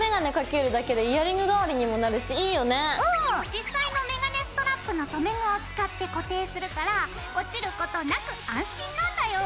実際のメガネストラップの留め具を使って固定するから落ちることなく安心なんだよ。